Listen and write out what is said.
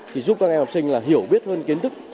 thì giúp các em học sinh là hiểu biết hơn kiến thức